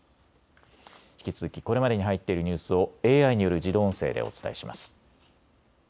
引き続きこれまでに入っているニュースをＡＩによる自動音声でお伝えします。